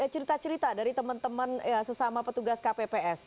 cerita cerita dari teman teman sesama petugas kpps